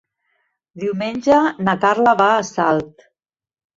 Diumenge na Carla va a Salt.